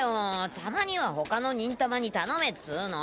たまにはほかの忍たまにたのめっつの！